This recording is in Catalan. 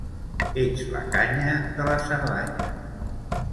Ets la canya de la Cerdanya.